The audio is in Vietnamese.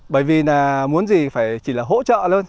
bởi vì muốn gì phải chỉ là hỗ trợ